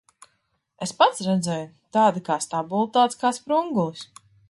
Es pats redzēju. Tāda kā stabule, tāds kā sprungulis.